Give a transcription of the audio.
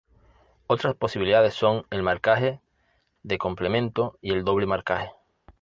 Otras posibilidades son el marcaje de complemento y el doble marcaje.